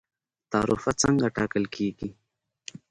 تعرفه څنګه ټاکل کیږي؟